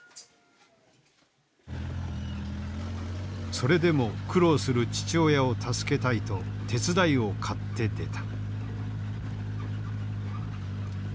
それでも苦労する父親を助けたいと手伝いを買って出た。